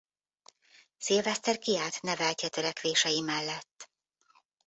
Szilveszter kiállt neveltje törekvései mellett.